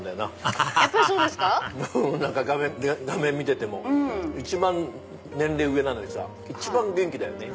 ハハハハハ画面見てても一番年齢上なのにさ一番元気だよね。